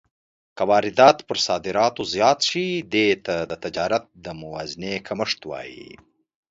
که واردات پر صادراتو زیات شي، دې ته د تجارت د موازنې کمښت وايي.